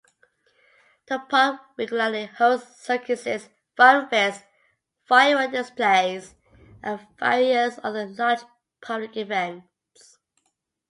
The park regularly hosts circuses, fun-fairs, firework displays, and various other large public events.